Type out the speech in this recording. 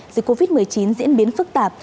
dịch covid một mươi chín diễn biến phức tạp